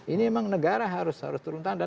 ini memang negara harus turun tanda